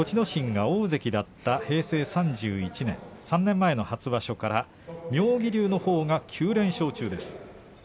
実は栃ノ心大関だった平成３１年３年前の初場所から妙義龍のほうが９連勝中です。